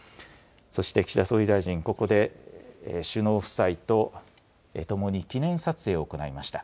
そして岸田総理大臣、ここで首脳夫妻と共に記念撮影を行いました。